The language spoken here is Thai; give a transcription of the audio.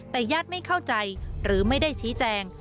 แต่ญาติไม่เข้าใจหรือไม่ได้ชี้แจง